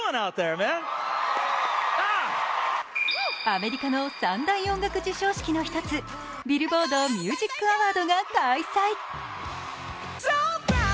アメリカの３大音楽授賞式の１つ、ビルボード・ミュージック・アワードが開催。